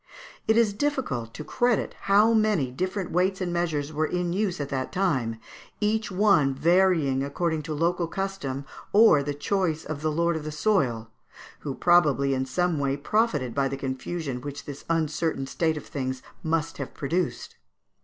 It is difficult to credit how many different weights and measures were in use at that time, each one varying according to local custom or the choice of the lord of the soil, who probably in some way profited by the confusion which this uncertain state of things must have produced.